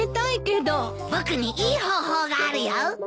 僕にいい方法があるよ。